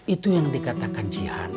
itu yang dikatakan si jihan